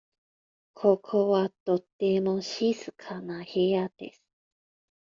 ここはとても静かな部屋です。